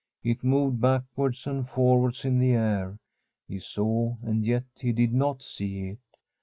It moved backwards and forwards in the air ; he saw and yet he did not see it.